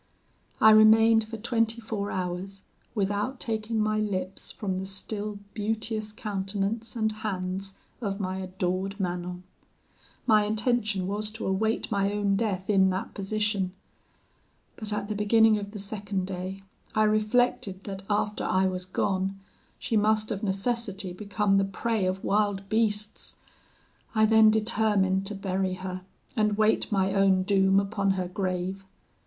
"I remained for twenty four hours without taking my lips from the still beauteous countenance and hands of my adored Manon. My intention was to await my own death in that position; but at the beginning of the second day, I reflected that, after I was gone, she must of necessity become the prey of wild beasts. I then determined to bury her, and wait my own doom upon her grave.